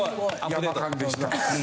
山勘でした。